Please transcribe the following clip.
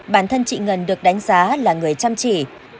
bản thân chị ngân được đánh giá là người chăm chỉ